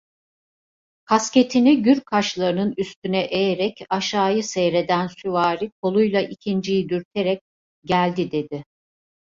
Kasketini gür kaşlarının üstüne eğerek aşağıyı seyreden süvari koluyla İkinciyi dürterek: "Geldi!" dedi.